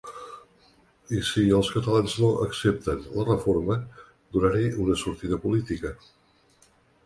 I si els catalans no accepten la reforma, donar-hi una sortida política.